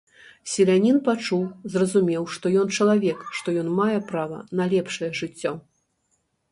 Селянін пачуў, зразумеў, што ён чалавек, што ён мае права на лепшае жыццё.